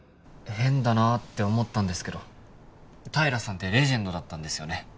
変だなーって思ったんですけど平さんってレジェンドだったんですよね